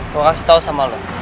gue kasih tau sama lo